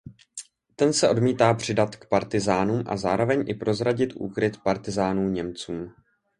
Ten se odmítá přidat k partyzánům a zároveň i prozradit úkryt partyzánů Němcům.